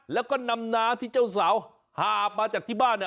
แล้วก็นำน้าที่เจ้าสาวหาบมาจากที่บ้าน